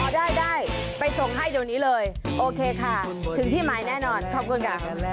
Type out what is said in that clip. ได้ไปส่งให้เดี๋ยวนี้เลยโอเคค่ะถึงที่หมายแน่นอนขอบคุณค่ะ